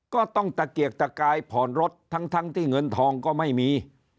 ก็ต้องตะเกียกตะกายผ่อนรถทั้งที่เงินทองก็ไม่มี